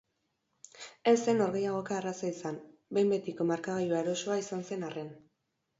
Ez zen norgehiagoka erraza izan, behin-betiko markagailua erosoa izan zen arren.